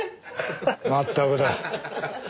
まったくだ。